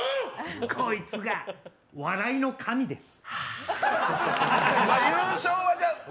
こいつが、笑いの神です。